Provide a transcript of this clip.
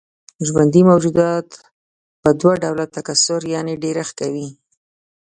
ژوندي موجودات په دوه ډوله تکثر يعنې ډېرښت کوي.